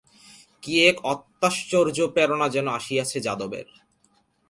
কী এক অত্যাশ্চর্য প্রেরণা যেন আসিয়াছে যাদবের।